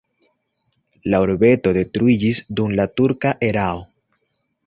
La urbeto detruiĝis dum la turka erao.